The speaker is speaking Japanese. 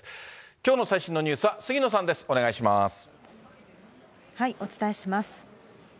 きょうの最新のニュースは杉野さお伝えします。